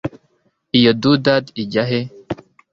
Iyi doodad ijya he